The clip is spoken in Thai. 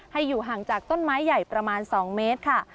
อยู่ห่างจากต้นไม้ใหญ่ประมาณ๒เมตรค่ะ